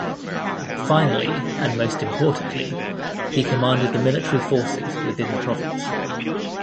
Finally, and most importantly, he commanded the military forces within the province.